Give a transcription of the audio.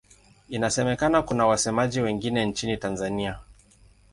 Inasemekana kuna wasemaji wengine nchini Tanzania.